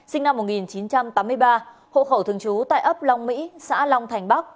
sinh năm một nghìn chín trăm tám mươi ba hộ khẩu thường trú tại ấp long mỹ xã long thành bắc